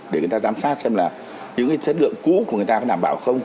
để người ta giám sát xem là những cái chất lượng cũ của người ta có đảm bảo không